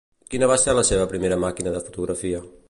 Quina va ser la seva primera màquina de fotografia?